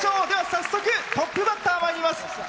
早速、トップバッターまいりましょう。